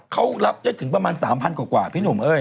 เขารับได้ถึงประมาณ๓๐๐กว่าพี่หนุ่มเอ้ย